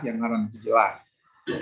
yang halal itu sudah jelas yang halal itu jelas